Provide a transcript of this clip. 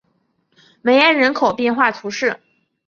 梅埃人口变化图示